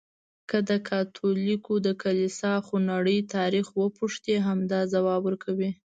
که د کاتولیکو د کلیسا خونړی تاریخ وپوښتې، همدا ځواب ورکوي.